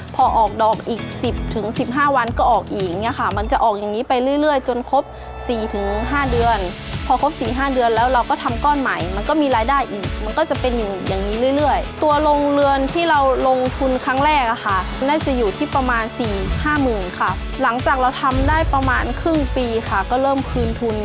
พอออกดอกอีกสิบถึงสิบห้าวันก็ออกอีกเนี่ยค่ะมันจะออกอย่างนี้ไปเรื่อยจนครบสี่ถึงห้าเดือนพอครบสี่ห้าเดือนแล้วเราก็ทำก้อนใหม่มันก็มีรายได้อีกมันก็จะเป็นอยู่อย่างนี้เรื่อยตัวโรงเรือนที่เราลงทุนครั้งแรกอะค่ะน่าจะอยู่ที่ประมาณสี่ห้าหมื่นค่ะหลังจากเราทำได้ประมาณครึ่งปีค่ะก็เริ่มคืนทุน